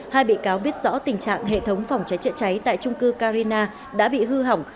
hai bị cáo biết rõ tình trạng hệ thống phòng cháy chữa cháy tại trung cư carina đã bị hư hỏng